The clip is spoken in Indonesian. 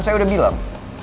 saya udah bilang